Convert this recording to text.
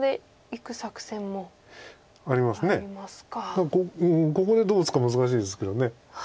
ただここでどう打つか難しいですけど。